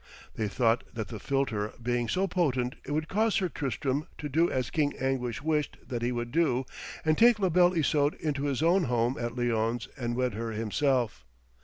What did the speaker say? They thought that the philtre being so potent, it would cause Sir Tristram to do as King Anguish wished that he would do, and take La Belle Isoude into his own home at Lyones and wed her himself.